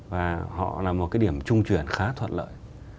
và họ là một cái điểm trung chuyển khá thuận lợi